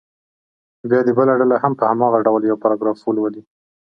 بیا دې بله ډله هم په هماغه ډول یو پاراګراف ولولي.